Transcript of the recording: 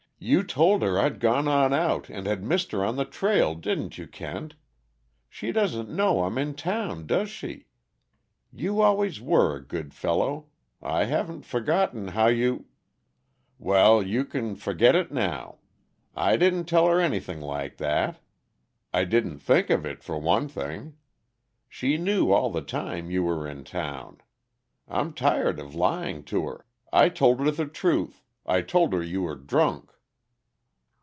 You told her I'd gone on out, and had missed her on the trail, didn't you, Kent? She doesn't know I'm in town, does she? You always were a good fellow I haven't forgotten how you " "Well, you can forget it now. I didn't tell her anything like that. I didn't think of it, for one thing. She knew all the time that you were in town. I'm tired of lying to her. I told her the truth. I told her you were drunk."